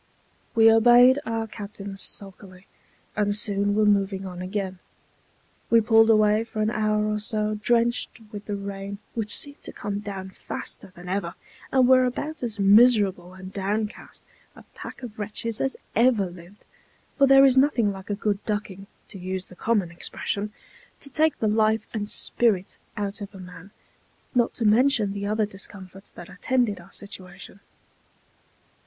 We obeyed our captain sulkily, and soon were moving on again. We pulled away for an hour or so, drenched with the rain, which seemed to come down faster than ever, and were about as miserable and down cast a pack of wretches as ever lived; for there is nothing like a good ducking (to use the common expression) to take the life and spirit out of a man, not to mention the other discomforts that attended our situation.